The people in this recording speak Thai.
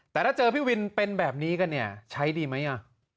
แต่ถ้าเจอพี่วินเป็นแบบนี้กันเนี่ยใช้ดีไหม